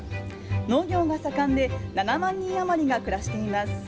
農業が盛んで、７万人余りが暮らしています。